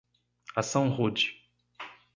Ação rude